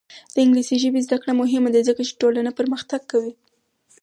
د انګلیسي ژبې زده کړه مهمه ده ځکه چې ټولنه پرمختګ کوي.